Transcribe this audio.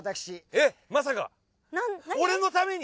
えっまさか。